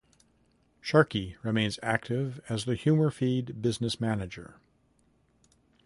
Sharky remains active as the HumorFeed business manager.